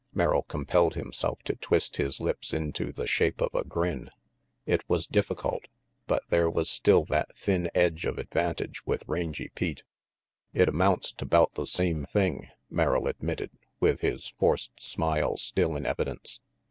Merrill compelled himself to twist his lips into the shape of a grin. It was difficult, but there was still that thin edge of advantage with Rangy Pete. "It amounts to 'bout the same thing," Merrill admitted, with his forced smile still in evidence.